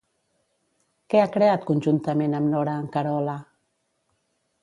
Què ha creat, conjuntament amb Nora Ancarola?